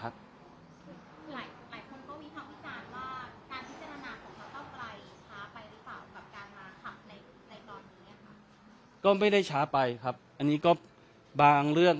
หลายคนก็วิทักวิจารณ์ว่าการพิจารณาของเรา